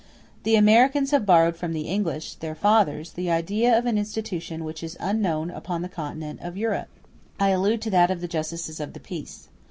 The Americans have borrowed from the English, their fathers, the idea of an institution which is unknown upon the continent of Europe: I allude to that of the Justices of the Peace.